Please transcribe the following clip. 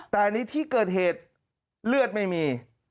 แต่ในที่เกิดเหตุเลือดไม่มี